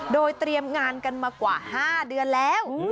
โดยเตรียมงานกันมากว่า๕เดือนแล้ว